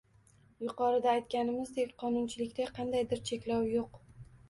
Yuqorida aytganimizdek, qonunchilikda qandaydir cheklov yo‘q